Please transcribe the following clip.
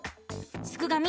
すくがミ